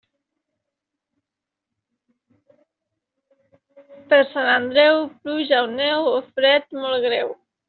Per Sant Andreu, pluja o neu o fred molt greu.